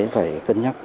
phải cân nhắc